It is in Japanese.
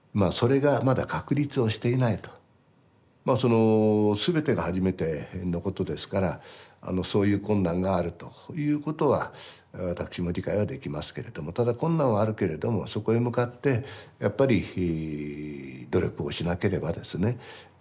まあその全てが初めてのことですからそういう困難があるということは私も理解はできますけれどもただ困難はあるけれどもそこへ向かってやっぱり努力をしなければですね